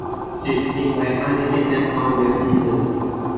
His team went undefeated on the season.